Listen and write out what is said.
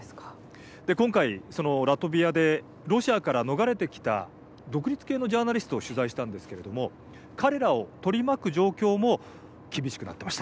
今回、ラトビアでロシアから逃れてきた独立系のジャーナリストを取材したんですけれども彼らを取り巻く状況も厳しくなっていました。